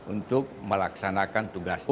untuk melaksanakan tugasnya